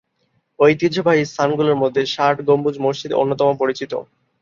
ঐতিহ্যবাহী স্থানগুলোর মধ্যে ষাট গম্বুজ মসজিদ অন্যতম পরিচিত।